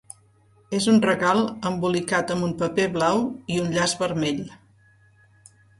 És un regal embolicat amb un paper blau i un llaç vermell.